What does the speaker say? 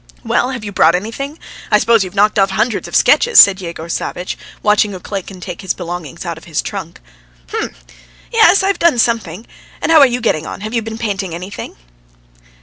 "Well, have you brought anything? I suppose you've knocked off hundreds of sketches?" said Yegor Savvitch, watching Ukleikin taking his belongings out of his trunk. "H'm! ... Yes. I have done something. And how are you getting on? Have you been painting anything?"